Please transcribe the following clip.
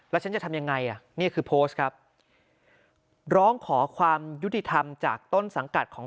แล้วฉันจะทำยังไงอ่ะนี่คือโพสต์ครับร้องขอความยุติธรรมจากต้นสังกัดของ